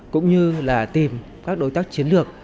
cũng như là tìm các đối tác chiến lược